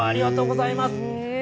ありがとうございます。